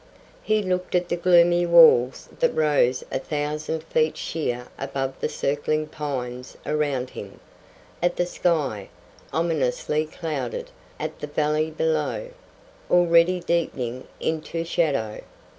He looked at the gloomy walls that rose a thousand feet sheer above the circling pines around him; at the sky, ominously clouded; at the valley below, already deepening into shadow.